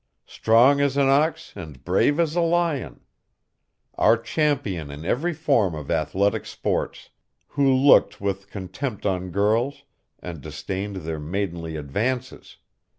Strong as an ox and brave as a lion! Our champion in every form of athletic sports! Who looked with contempt on girls and disdained their maidenly advances!